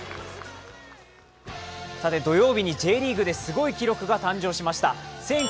さて土曜日にＪリーグですごい記録が誕生しました。